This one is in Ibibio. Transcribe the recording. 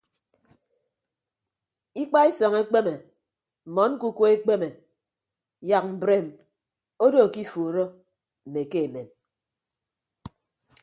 Ikpaisọñ ekpeme mmọn ñkuku ekpeme yak mbreem odo ke ifuuro mme ke emem.